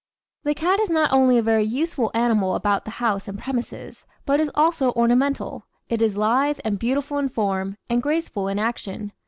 The cat is not only a very useful animal about the house and premises, but is also ornamental. It is lithe and beautiful in form, and graceful in action.